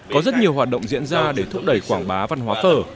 có rất nhiều hoạt động diễn ra để thúc đẩy quảng bá văn hóa phở